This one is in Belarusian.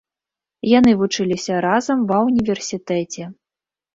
Яны вучыліся разам ва ўніверсітэце.